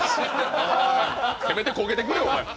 せめて焦げてくれ！